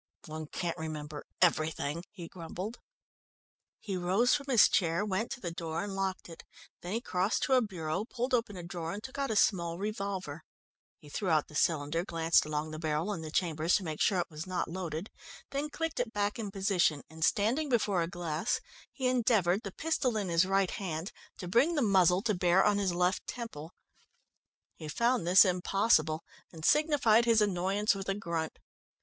"One can't remember everything," he grumbled. He rose from his chair, went to the door, and locked it. Then he crossed to a bureau, pulled open a drawer and took out a small revolver. He threw out the cylinder, glanced along the barrel and the chambers to make sure it was not loaded, then clicked it back in position, and standing before a glass, he endeavoured, the pistol in his right hand, to bring the muzzle to bear on his left temple. He found this impossible, and signified his annoyance with a grunt.